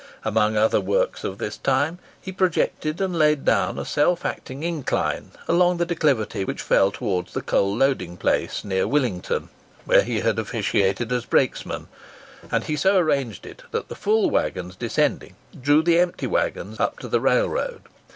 Amongst other works of this time, he projected and laid down a self acting incline along the declivity which fell towards the coal loading place near Willington, where he had officiated as brakesman; and he so arranged it, that the full waggons descending drew the empty waggons up the railroad.